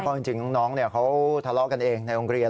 ก็จริงน้องเขาทะเลาะกันเองในองค์เรียน